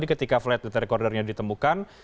ketika flight data recorder nya ditemukan